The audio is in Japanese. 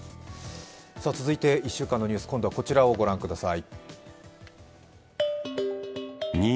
続いて１週間のニュース、今度はこちらを御覧ください。